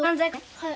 はい。